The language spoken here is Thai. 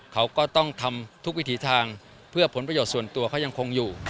เขาก็ต้องทำทุกวิถีทางเพื่อผลประโยชน์ส่วนตัวเขายังคงอยู่